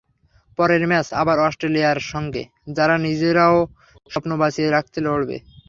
পরের ম্যাচ আবার অস্ট্রেলিয়ার সঙ্গে, যারা নিজেরাও স্বপ্ন বাঁচিয়ে রাখতে লড়বে।